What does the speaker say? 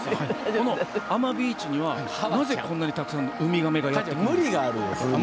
この阿真ビーチにはなぜ、こんなにたくさんウミガメがやってくるんですか？